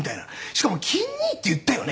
しかも錦兄って言ったよね？